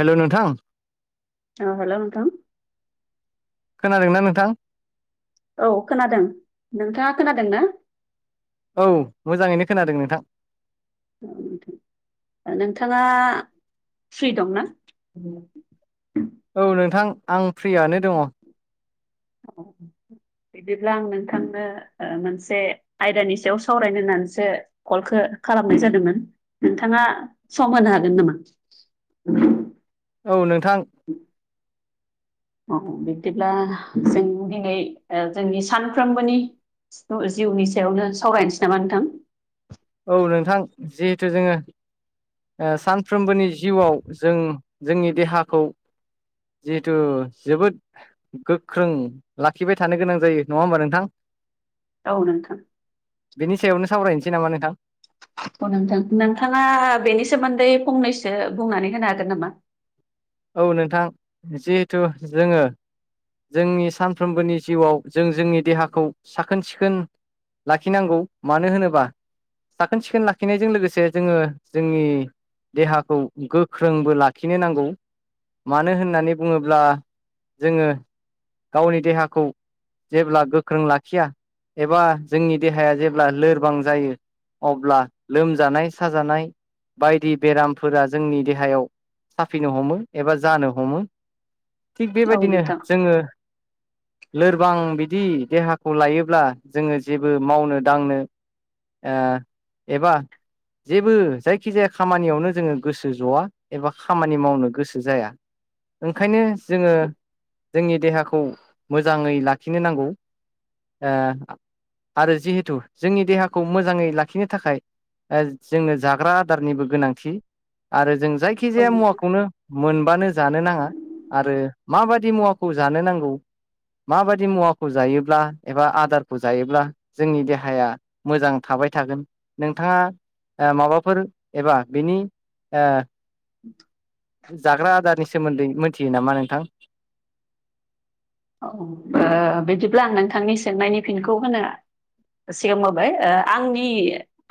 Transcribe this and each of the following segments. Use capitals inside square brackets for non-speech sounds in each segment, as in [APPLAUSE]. हेल' नोंथां। औ हेल'नोंथां खोनादोंना नोंथां औ खोनादों नोंथाङा खोनादों ना? औ मोजाङैनो खोनादों नोंथां नोंथाङा फ्रि दंना? औ नोंथां आं फ्रियानो दङ। अ बिदिब्ला आं नोंथांनो ओ मोनसे आयदानि सायाव सावरायनो होननानैसो कलखो खालामनाय जादोंमोन नोंथाङा सम होनो हागोन नामा? औ नोंथां औ बिदिब्ला जों दिनै ओ जोंनि सानफ्रोमबोनि जिउनि सायावनो सावरायनोसै नामा नोंथां? औ नोंथां जिहेथु जोङो ओ सानफ्रोमबोनि जिउआव जों जोंनि देहाखौ जिहेथु जोबोद गोख्रों लाखिबाय थानो गोनां जायो नङा होमबा नोंथां? औ नोंथां। बेनि सायावनो सावरायनोसै नामा नोंथां? औ नोंथां नोंथाङा बेनि सोमोन्दै फंनैसो बुंनानै होनो हागोन नामा? [INAUDIBLE] औ नोंथां जिहेथु जोङो जोंनि सानफ्रोमबोनि जिउआव जों जोंनि देहाखौ साखोन सिखोन लाखिनांगौ मानो होनोबा साखोन सिखोन लाखिनायजों लोगोसे जोङो जोंनि देहाखौ गोख्रोंबो लाखिनो नांगौ। मानो होननानै बुङोब्ला जोङो गावनि देहाखौ जेब्ला गोख्रों लाखिया एबा जोंनि देहाया जेब्ला लोरबां जायो अब्ला लोमजानाय साजानाय बायदि बेरामफोरा जोंनि देहायाव साफिनो हमो एबा जानो हमो थिग औ बेबायदिनो नोंथां जोङो लोरबां बिदि देहाखौ लायोब्ला जोङो जेबो मावनो दांनो ओ एबा जेबो जायखि जाया खामानियावनो जोङो गोसो जआ एबा खामानि मावनो गोसो जाया। ओंखायनो जोङो जोंनि देहाखौ मोजाङै लाखिनो नांगौ। ओ आरो जिहेथु जोंनि देहाखौ मोजाङै लाखिनो थाखाय ओ जोङो जाग्रा आदारनिबो गोनांथि आरो जों जायखिजाया औ मुवाखौनो मोनबानो जानो नाङा आरो माबायदि मुवाखौ जानो नांगौ माबायदि मुवाखौ जायोब्ला एबा आदारखौ जायोब्ला जोंनि देहाया मोजां थाब बाय थागोन नोंथाङा माबाफोर एबा बिनि [INAUDIBLE] जाग्रा आदारनि सोमोन्दै मोनथियो नामा नोंथां? औ ओ बिदिब्ला आं नोंथांनि सोंनायनि फिनखौ होनो सिगांबोबाय ओ आंनि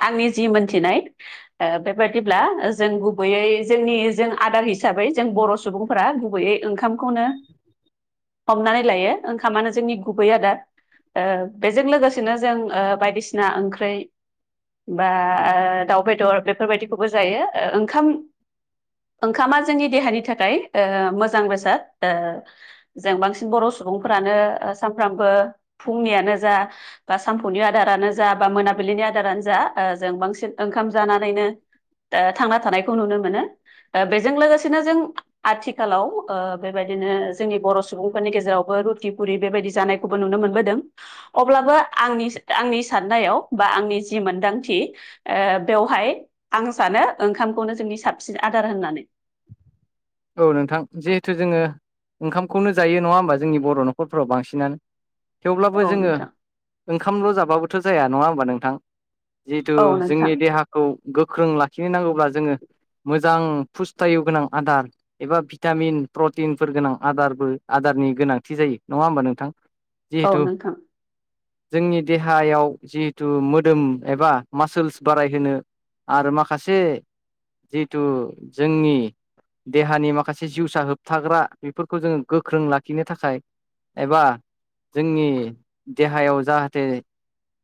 आंनि जि मोनथिनाय बेबायदिब्ला जों गुबैयै जोंनि जों आदार हिसाबै जों बर' सुबुंफोरा गुबैयै ओंखामखौनो हमनानै लायो ओंखामानो जोंनि गुबै आदार। ओ बेजों लोगोसेनो जों ओ बायदिसिना ओंख्रै बा दाउ बेदर बेफोरबायदिखौबो जायो ओ ओंखाम ओंखामा जोंनि देहानि थाखाय ओ मोजां बेसाद ओ जों बांसिन बर' सुबुंफ्रानो सानफ्रामबो फुंनियानो जा बा सानफौनि आदारानो जा बा मोनाबिलिनि आदारानो जा ओ जों बांसिन ओंखाम जानानैनो ओ थांना थानायखौ नुनो मोनो। बेजों लोगोसेनो जों आथिखालाव बेबायदिनो जोंनि बर' सुबुंफोरनि गेजेरावबो रुटि पुरि बेबायदि जानायखौ नुनो मोनदों अब्लाबो आंनि आंनि साननायाव बा आंनि जि मोनदांथि बेवहाय आं सानो ओंखामखौनो जोंनि साबसिन आदार होननानै। औ नोंथां जिहेथु जोङो ओंखामखौनो जायो नङा होमबा जोंनि बर' न'खरफोराव बांसिनानो थेवब्लाबो औ जोङो नोंथां ओंखामल' जाबाबोथ' जाया नङा होमबा नोंथां? जिहेथु औ नोंथां जोंनि देहाखौ गोख्रों लाखिनो नांगौब्ला जोङो मोजां फुस्थाय गोनां आदार एबा भिटामिन प्रटिनफोर गोनां आदारबो आदारनि गोनांथि जायो नङा होमबा नोंथां? औ जिहेथु नोंथां। जोंनि देहायाव जिहेथु मोदोम एबा मासोल्स बारायहोनो आरो माखासे जिथु जोंनि देहानि माखासे जिउसा होबथाग्रा बेफोरखौ जोङो गोख्रों लाखिनो थाखाय एबा जोंनि देहायाव जाहाथे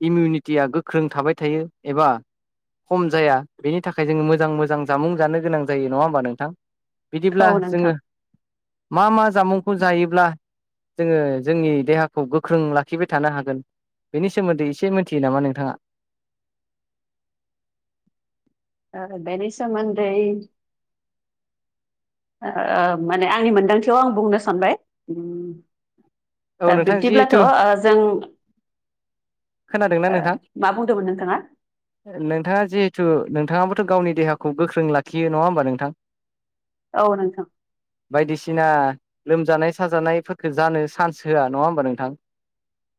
इमिउनिटिया गोख्रों थाबाय थायो एबा खम जाया बेनि थाखाय जोङो मोजां मोजां जामुं जानो गोनां जायो नङा होमबा नोंथां। बिदिब्ला औ नोंथां जोङो मा मा जामुंखौ जायोब्ला जोङो जोंनि देहाखौ गोख्रों लाखिबाय थानो हागोन। बेनि सोमोन्दै एसे मिथियो नामा नोंथाङा? [INAUDIBLE] ओ बेनि सोमोन्दै ओ माने आंनि मोनदांथियाव आं बुंनो सानबाय ओ औ नोंथां जिहेथु बिब्दिब्लाथ' ओ जों खोनादोंना ओ नोंथां मा बुंदोंमोन नोंथाङा नोंथाङा जिहेथु नोंथाङा थ' गावनि देहाखौ गोख्रों लाखियो नङा होमबा नोंथां। औ नोंथां बायदिसिना लोमजानाय साजानायफोरखो जानो चान्स होआ नङा होमबा नोंथां।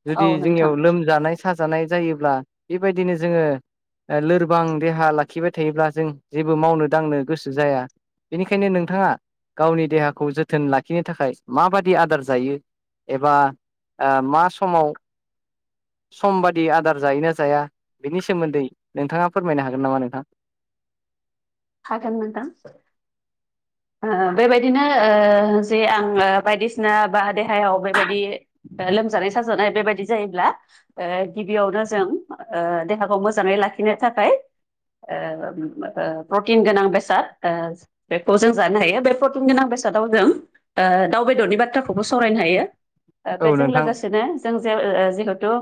जुदि औ नोंथां जोंनियाव लोमजानाय साजानाय जायोब्ला बेबायदिनो जोङो लोरबां देहा लाखिबाय थायोब्ला जों जेबो मावनो दांनो गोसो जाया। बेनिखायनो नोंथाङा गावनि देहाखौ जोथोन लाखिनो थाखाय माबादि आदार जायो। एबा ओ मा समाव [INAUDIBLE] सम बादि आदार जायोना जाया बिनि सोमोन्दै नोंथाङा फोरमायनो हागोन नामा नोंथां? हागोन नोंथां ओ बेबायदिनो ओ जे आङो बायदिसिना बा देहायाव बेबायदि लोमजानाय साजानाय बेबायदि जायोब्ला ओ गिबियावनो जों ओ देहाखौ मोजाङै लाखिनो थाखाय ओ ओ प्रटिन गोनां बेसाद ओ बेखौ जों जानो हायो बे प्रटिन गोनां बेसादाव जों ओ दाउ बेदरनि बाथ्राखौबो सावरायनो हायो। ओ औ बेजों नोंथां लोगोसेनो जों जे जिहेथु ओ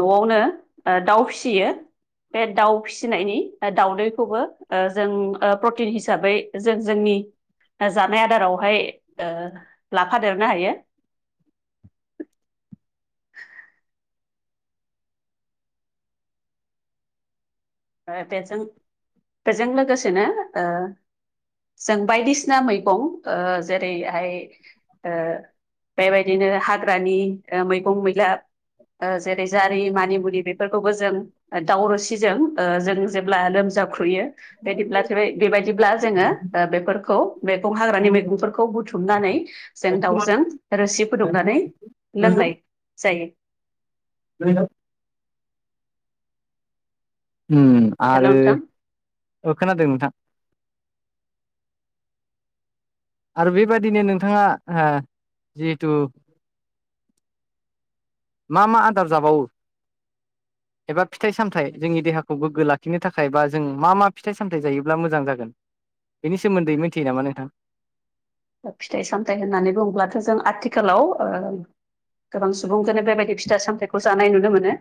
न'आवनो दाउ फिसियो। बे दाउ फिसिनायनि दाउदैखौबो ओ जों ओ प्रटिन हिसाब साबै जों जोंनि जानाय आदारावहाय ओ लाफादेरनो हायो। [INAUDIBLE] ओ बेजों बेजों लोगोसेनो ओ जों बायदिसिना मैगं ओ जेरैहाय ओ बेबायदिनो हाग्रानि ओ मैगं मैला ओ जेरै जारि मानिमुुलि बेफोरखौबो जों दावरावसिजों ओ जों जेब्ला लोमजाख्रुयो बेदिब्ला बेबायदिब्ला जोङो ओ बेफोरखौ मैगं हाग्रानि मैगंफोरखौ बुथुमनानै जों दाउजों रोसि फुदुंनानै लोंनाय जायो। ओरैनो उम हेल' आरो नोंथां ओ खोनादों नोंथां। आरो बेबादिनो नोंथाङा ओह जिहेथु मा मा आदार जाबावो? [INAUDIBLE] एबा फिथाइ सामथायाइ जोंनि देहाखौ गोग्गो लाखिनो थाखाय बा जों मा मा फिथाइ सामथायाइ जायोब्ला मोजां जागोन? बेनि सोमोन्दै मिथियो नामा नोंथां? फिथाइ सामथाइ होननानै बुंब्लाथ' जों आथिखालाव ओ गोबां सुबुंजोंनो बेबायदि फिथा सामथाइखौ जानाय नुनो मोनो।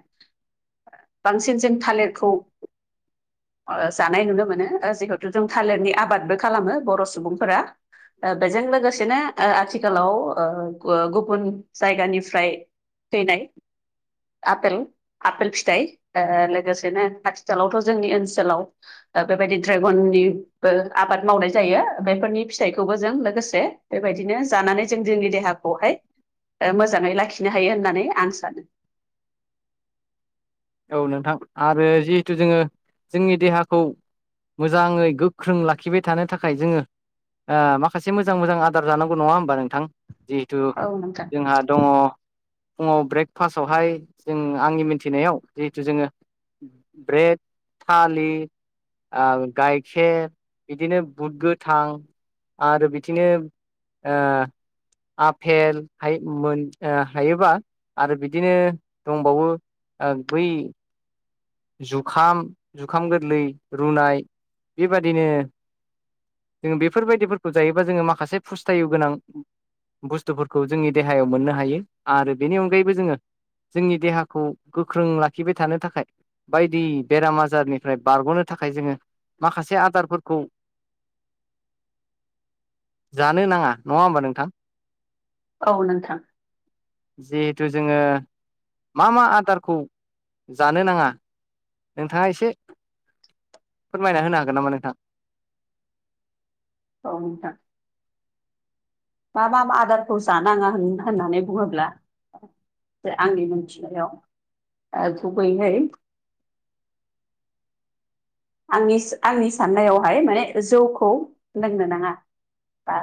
बांसिन जों थालिरखौ ओ जानाय नुनो मोनो जिहेथु जों थालिरनि आबादबो खालामो बर' सुबुंफोरा। ओ बेजों लोगोसेनो ओ आथिखालाव ओ गुबुन जायगानिफ्राय फैनाय आफेल आफेल फिथाइ ओ लोगोसेनो आथिखालावथ' जोंनि ओनसोलाव ओ बेबायदि ड्रेगननिबो आबाद मावनाय जायो बेफोरनि फिथाइ खौबो जों लोगोसे बेबायदिनो जानानै जों जोंनि देहाखौहाय ओ मोजाङै लाखिनो हायो होननानै आं सानो। ओ नोंथां आरो जिहेथु जोंङो जोंनि देहाखौ मोजाङै गोख्रों लाखिबाय थानो थाखाय जोंङो ओ माखासे मोजां मोजां आदार जानांगौ नङा होमबा नोंथां? जिहेथु औ नोंथां जोंहा दङ फुङाव ब्रेकफास्टआवहाय जों आंनि मिथिनायाव जिहेथु जोंङो ब्रेड थालि ओ गाइखेर बिदिनो बुद गोथां आरो बिदिनो ओ आफेल हाय मोन ओ हायोबा आरो बिदिनो दंबावो। ओ बै जुखाम जुखाम गोरलै रुनाय बेबादिनो जोंङो बेफोरबायदिफोरखौ जायोबा जोंङो माखासे फुस्थायु गोनां बुस्थुफोरखौ जोंनि देहायाव मोननो हायो आरो बेनि अनगायैबो जोंङो जोंनि देहाखौ गोख्रों लाखिबाय थानो थाखाय बायदि बेराम आजारनिफ्राय बारग'नो थाखाय जोंङो माखासे आदारफोरखौ [INAUDIBLE] जानो नाङा नङा होमबा नोंथां? औ नोंथां। जिहेथु जोंङो मा मा आदारखौ जानो नांङा नोंथांङा एसे फोरमायना होनो हागोन नामा नोंथां? औ नोंथां। मा मा आदारखौ जानांङा होन होननानै बुंङोब्ला आंनि मोनथिनायाव ओ गुबैयै आंनि आंनि साननायावहाय माने जौखौ लोंनो नाङा। बा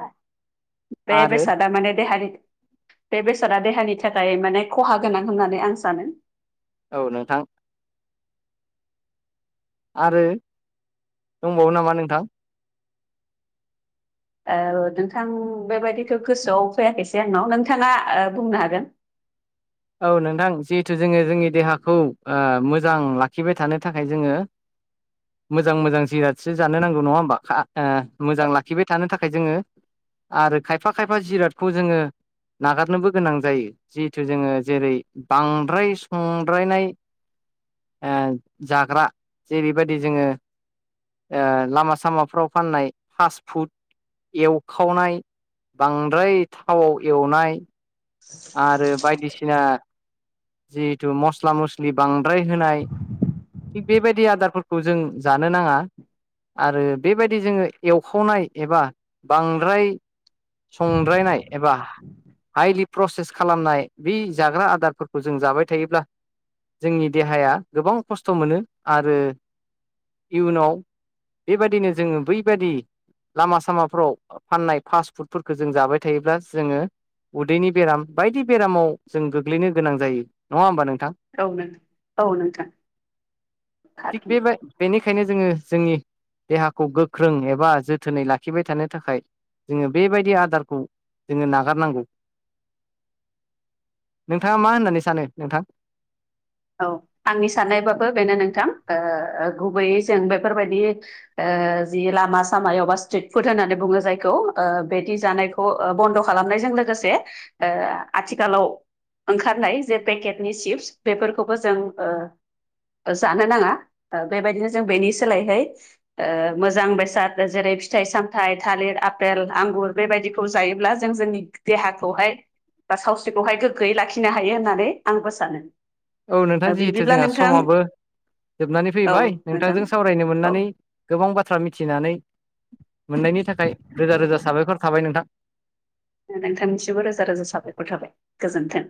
बे आरो बेसाद दा माने देहानि बे बेसादा देहानि थाखाय माने खहा गोनां होननानै आं सानो। औ नोंथां। आरो दंबावो नामा नोंथां? औ नोंथां बेबायदिखौ गोसोआव फैयाखैसै आंनाव नोंथाङा ओ बुंनो हागोन? [INAUDIBLE] औ नोंथां जिहेथु जोंङो जोंनि देहाखौ ओ मोजां लाखिबाय थानो थाखाय जोंङो मोजां मोजां जिरादसो जानो नांगौ नंङा होमबा खा ओ मोजां लाखिबाय थानो थाखाय जोंङो। आरो खायफा खायफा जिरादखौ जोंङो नागारनोबो गोनां जायो जिहेथु जोंङो जेरै बांद्राय संद्रायनाय ओ जाग्रा जेरैबायदि जोंङो ओ लामा सामाफ्राव फाननाय फास फुट एवखावनाय बांद्राय थावाव एवनाय आरो बायदिसिना जिहेथु मस्ला मस्लि बांद्राय होनाय। थिग बेबायदि आदारफोरखौ जों जानो नांङा, आरो बेबायदि जोंङो एवखावनाय एबा बांद्राय, संद्रायनाय एबा हाइलि प्रसेस खालामनाय बे जाग्रा आदारफोर खौ जों जाबाय थायोब्ला जोंनि देहाया गोबां खस्थ' मोनो आरो इयुनाव बेबादिनो जोंङो बैबादि लामा सामाफोराव फाननाय फास्ट फुडफोरखौ जों जाबाय थायोब्ला जोंङो, उदैनि बेराम बायदि बेरामाव जों गोग्लैनो गोनां जायो। नंङा होमबा नों नोंथां औ नोंथां औ नोंथां थारैनो। बेबाय बेनि बेखायनो जोङो जोंनि देहाखौ गोख्रों एबा जोथोनै लाखिबाय थानो थाखाय जोंङो बेबायदि आदारखौ जोंङो नागारनांगौ। [INAUDIBLE] नोंथांङा मा होननानै सानो नोंथां? औ आंनि साननायबाबो बेनो नोंथां ओ गुबैयै जों बेफोरबायदि ओ जि लामा सामायावबा स्ट्रिट फुड होननानै बुंङो जायखौ, ओ बेदि जानायखौ बन्द' खालामनायजों लोगोसे आथिखालाव, ओंखारनाय जे पेकेटनि चिप्स बेफोरखौबो जों ओ जानो नांङा बेबायदिनो जों बेनि सोलायहै ओ मोजां बेसाद जेरै फिथाइ सामथाइ थालिर आफेल आंगुर बेबायदिखौ जायोब्ला जों जोंनि देहाखौहाय, दा सावस्रिखौहाय गोग्गोयै लाखिनो हायो होननानै आंबो सानो औ नोंथां जिहेथु बिब्दिब्ला जोंहा नोंथां समाबो, जोबनानै औ फैबाय नोंथां नोंथांजों सावरायनो औ मोननानै गोबां बाथ्रा मिथिनानै, मोननायनि थाखाय रोजा रोजा साबायखर थाबाय नोंथां। नोंथांनिसिबो रोजा रोजा साबायखर थाबाय गोजोन्थों।